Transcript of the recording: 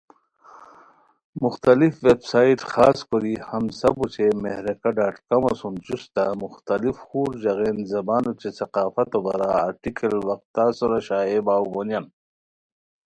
مختلف ویب سائیڈ خاص کوری "ہم سب" اوچے مہرکہ ڈاٹ کمو سوم جوستہ مختلف خور ژاغین زبان اوچے ثقافتو بارا ارٹیکل وقتاسورا شائع باؤ گونیان